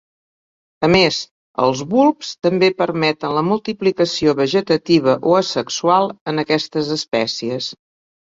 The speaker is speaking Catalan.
A més, els bulbs també permeten la multiplicació vegetativa o asexual en aquestes espècies.